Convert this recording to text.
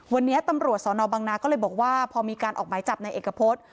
วันนี้ตำรวจสนบังนาก็เลยบอกว่าพอมีการออกหมายจับในเอกพฤษ